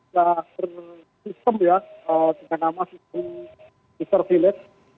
sudah ada sistem ya dengan nama sister village